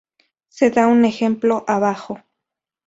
Se da un ejemplo abajo.